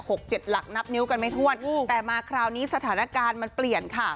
เจ็ดหลักนับนิ้วกันไม่ถ้วนแต่มาคราวนี้สถานการณ์มันเปลี่ยนค่ะ